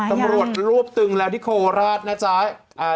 ตำรวจรวบตึงแล้วที่โคราชนะจ๊ะ